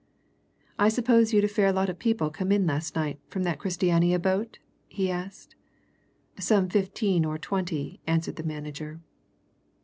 "I suppose you'd a fair lot of people come in last night from that Christiania boat?" he asked. "Some fifteen or twenty," answered the manager.